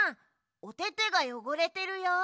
おててがよごれてるよ。